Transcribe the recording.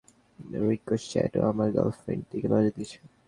Ricochet, ও আমার গার্লফ্রেন্ডের দিকে নজর দিয়েছে!